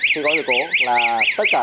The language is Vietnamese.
khi có dự cố